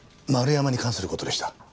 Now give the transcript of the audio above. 丸山に関する事でした。